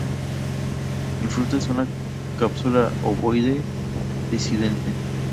El fruto es una cápsula ovoide, dehiscente.